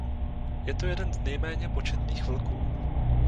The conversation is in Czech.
Je to jeden z nejméně početných vlků.